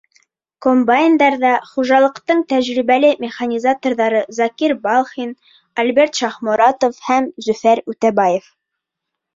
Комбайндарҙа — хужалыҡтың тәжрибәле механизаторҙары Закир Балхин, Альберт Шахморатов һәм Зөфәр Үтәбаев.